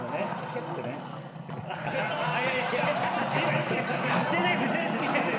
してないです。